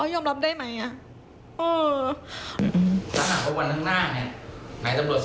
ยอมรับได้ไหมอ่ะ